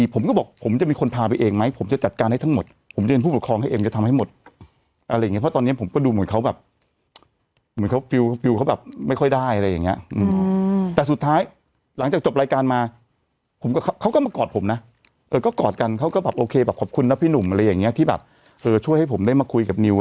ผมก็บอกผมจะเป็นคนพาไปเองไหมผมจะจัดการให้ทั้งหมดผมเรียนผู้ปกครองให้เอ็มจะทำให้หมดอะไรอย่างเงี้เพราะตอนนี้ผมก็ดูเหมือนเขาแบบเหมือนเขาฟิลฟิลเขาแบบไม่ค่อยได้อะไรอย่างเงี้ยแต่สุดท้ายหลังจากจบรายการมาผมก็เขาก็มากอดผมนะเออก็กอดกันเขาก็แบบโอเคแบบขอบคุณนะพี่หนุ่มอะไรอย่างเงี้ยที่แบบเออช่วยให้ผมได้มาคุยกับนิว